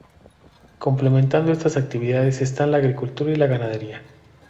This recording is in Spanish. Complementando estas actividades están la agricultura y la ganadería.